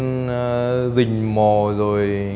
đang rình mò rồi